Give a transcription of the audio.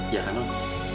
ya kan non